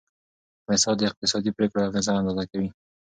اقتصاد د اقتصادي پریکړو اغیزه اندازه کوي.